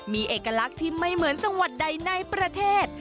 มีเอกลักษณ์ที่ไม่เหมือนจังหวัดใดในประเทศ